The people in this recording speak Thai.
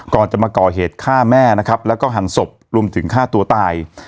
ก่อนจะมาก่อเหตุฆ่าแม่นะครับแล้วก็หันศพรวมถึงฆ่าตัวตาย